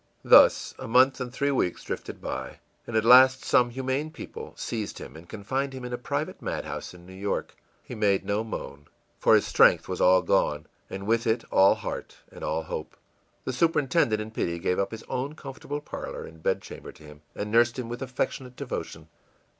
î Thus a month and three weeks drifted by, and at last some humane people seized him and confined him in a private mad house in New York. He made no moan, for his strength was all gone, and with it all heart and all hope. The superintendent, in pity, gave up his own comfortable parlor and bedchamber to him and nursed him with affectionate devotion.